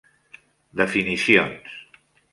Definicions.